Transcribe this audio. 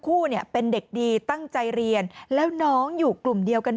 คู่เนี่ยเป็นเด็กดีตั้งใจเรียนแล้วน้องอยู่กลุ่มเดียวกัน